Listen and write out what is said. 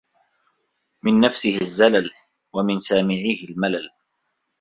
مِنْ نَفْسِهِ الزَّلَلَ ، وَمِنْ سَامِعِيهِ الْمَلَلَ